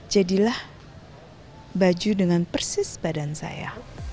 jadilah baju dengan persis badan saya